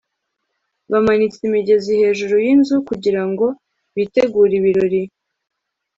bamanitse imigezi hejuru yinzu kugirango bitegure ibirori